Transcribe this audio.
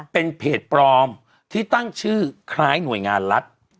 เป็นเพจปลอมที่ตั้งชื่อคล้ายหน่วยงานรัฐ